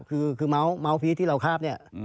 คือเมาส์พีชที่เราคาบ